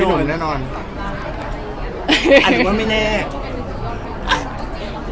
อันนี้ว่าไม่แน่